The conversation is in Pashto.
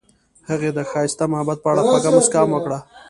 هغې د ښایسته محبت په اړه خوږه موسکا هم وکړه.